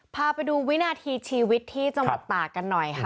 พาไปดูวินาทีชีวิตที่จังหวัดตากกันหน่อยค่ะ